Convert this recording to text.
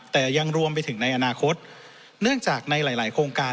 แต่ยังรวมไปถึงในอนาคตเนื่องจากในหลายโครงการ